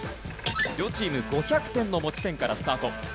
両チーム５００点の持ち点からスタート。